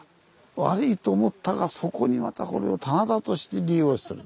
悪いと思ったがそこにまたこれを棚田として利用する。